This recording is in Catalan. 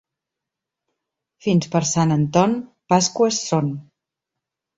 Fins per Sant Anton, pasqües són.